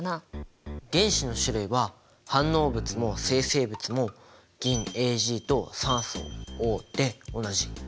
原子の種類は反応物も生成物も銀Ａｇと酸素Ｏで同じ。